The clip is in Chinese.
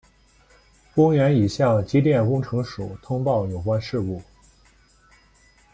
公园已向机电工程署通报有关事故。